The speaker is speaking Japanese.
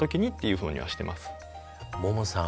ももさん